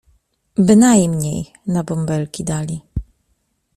Bynajmniej na bąbelki dali.